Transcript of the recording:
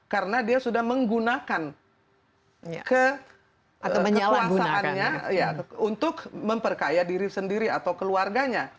karena dia sudah menggunakan kekuasaannya untuk memperkaya diri sendiri atau keluarganya